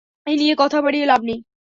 এ নিয়ে কথা বাড়িয়ে লাভ নেই।